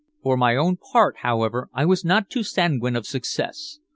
For my own part, however, I was not too sanguine of success.